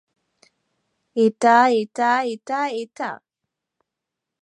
এটা, এটা, এটা, এটা।